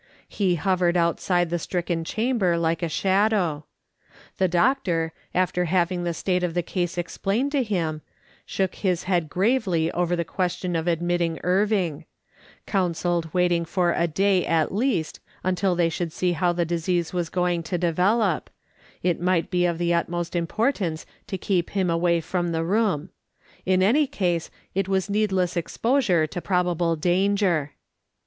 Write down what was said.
He hovered outside the stricken chamber like a shadow. The doctor, after having the state of the case ex plained to him, shook his head gravely over the question of admitting Irving ; counselled waiting for a day, at least, until they should see how the disease was going to develop ; it might be of the utmost im portance to keep him away from the room ; in any case it was needless exposure to probable danger.